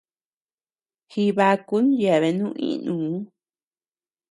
Jibakun yeabenu ínuu.